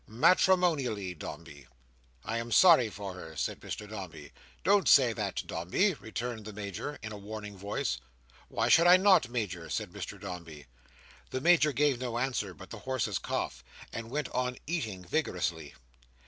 Matrimonially, Dombey." "I am sorry for her," said Mr Dombey. "Don't say that, Dombey," returned the Major in a warning voice. "Why should I not, Major?" said Mr Dombey. The Major gave no answer but the horse's cough, and went on eating vigorously.